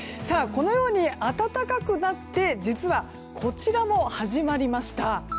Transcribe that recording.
このように暖かくなって、実はこちらも始まりました。